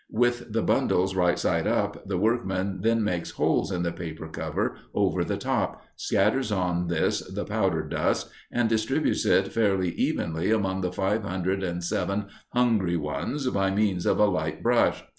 With the bundles right side up, the workman then makes holes in the paper cover over the top, scatters on this the powder dust, and distributes it fairly evenly among the five hundred and seven hungry ones by means of a light brush.